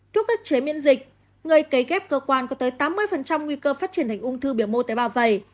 đối với các chế miễn dịch người cấy ghép cơ quan có tới tám mươi nguy cơ phát triển thành ung thư biểu mô tế bảo vẩy